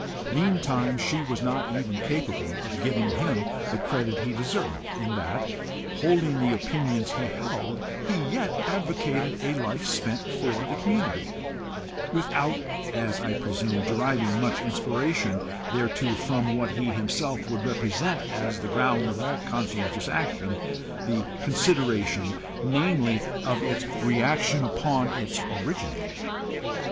Meantime she was not even capable of giving him the credit he deserved, in that, holding the opinions he held, he yet advocated a life spent for the community without, as I presume, deriving much inspiration thereto from what he himself would represent as the ground of all conscientious action, the consideration, namely, of its reaction upon its originator.